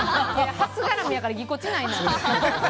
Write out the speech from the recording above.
初絡みやから、ぎこちないね。